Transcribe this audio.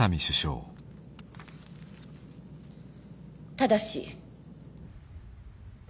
ただし。